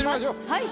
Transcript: はい。